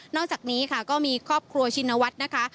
อกจากนี้ค่ะก็มีครอบครัวชินวัฒน์นะคะ